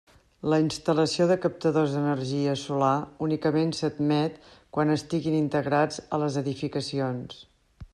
La instal·lació de captadors d'energia solar únicament s'admet quan estiguin integrats a les edificacions.